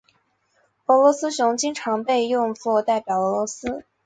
俄罗斯熊经常被用作代表俄罗斯。